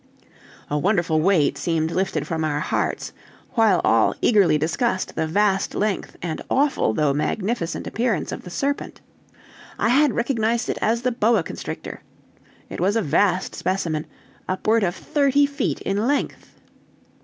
A wonderful weight seemed lifted from our hearts, while all eagerly discussed the vast length and awful though magnificent appearance of the serpent. I had recognized it as the boa constrictor. It was a vast specimen, upward of thirty feet in length.